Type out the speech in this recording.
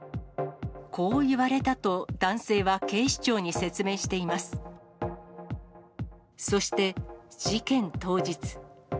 こう言われたと、男性は警視そして、事件当日。